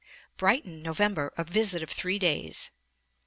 Brighton, November; a visit of three days.